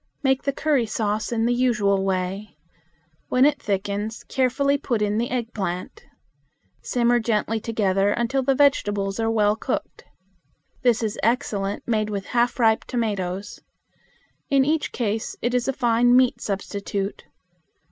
Make the curry sauce in the usual way. When it thickens, carefully put in the eggplant; simmer gently together until the vegetables are well cooked. This is excellent made with half ripe tomatoes. In each case it is a fine meat substitute.